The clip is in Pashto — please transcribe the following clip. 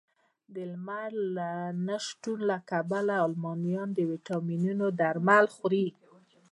د لمر نه شتون له کبله المانیان د ویټامینونو درمل خوري